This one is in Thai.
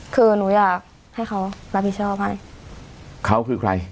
คือหนูอยากให้เขารับผิดชอบให้เขาคือใคร